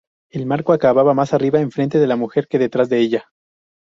El marco acaba más arriba enfrente de la mujer que detrás de ella.